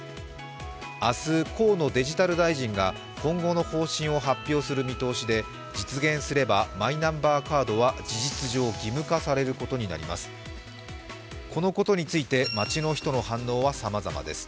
明日、河野デジタル大臣が今後の方針を発表する見通しで実現すればマイナンバーカードは事実上、義務化されることになります。